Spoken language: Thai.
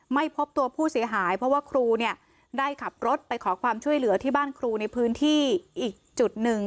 ไม่พบตัวผู้เสียหายเพราะว่าครูเนี่ยได้ขับรถไปขอความช่วยเหลือที่บ้านครูในพื้นที่อีกจุดหนึ่ง